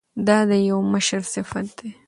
دا د یو مشر صفت دی.